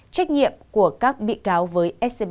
trách nhiệm của các bị cáo với scb